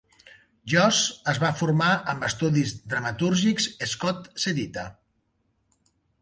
Josh es va formar amb estudis dramatúrgics Scott Sedita.